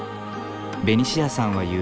ベニシアさんは言う。